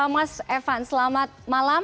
mas evan selamat malam